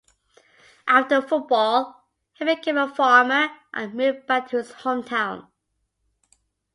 After football, he became a farmer and moved back to his home-town.